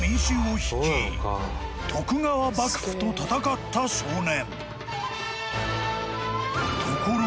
［徳川幕府と戦った少年］